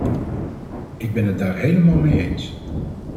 Ik ben het daar helemaal mee eens.